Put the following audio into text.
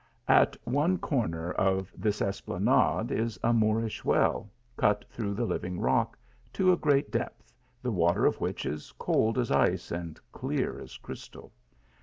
At one cornei of this esplanade is a Mcorish well, cut through the , living rock to a great depth, the water of which is cold as ice and clear as crystal.